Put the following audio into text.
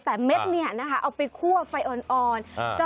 แต่เม็ดเนี่ยนะคะเอาไปคั่วไฟอ่อน